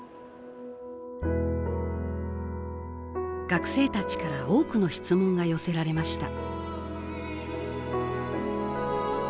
学生たちから多くの質問が寄せられました